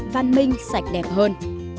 văn minh sạch đẹp hơn